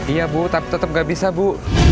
iya bu tetap nggak bisa bu